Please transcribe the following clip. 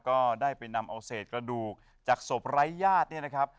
ก็ได้ไปนำเอาเศษกระดูกจากศพไร้ญาติเนี่ยนะครับ